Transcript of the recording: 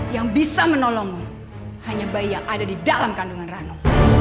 yang bisa menolong hanya bayi yang ada di dalam kandungan rano